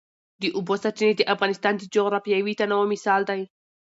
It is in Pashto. د اوبو سرچینې د افغانستان د جغرافیوي تنوع مثال دی.